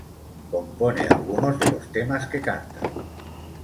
Compone algunos de los temas que canta.